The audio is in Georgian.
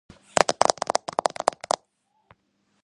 სახნავი მიწები თავმოყრილია მდინარეთა ხეობებში.